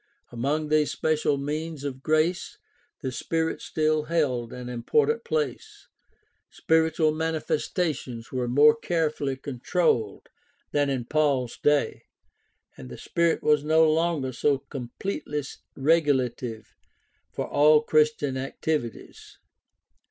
Among these special means of grace the Spirit still held an important place. Spiritual manifestations were more care fully controlled than in Paul's day, and the Spirit was no longer so completely regulative for all Christian activities.